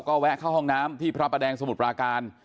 ก็แวะเข้าห้องน้ำที่พระประแดงสมุทรปราการ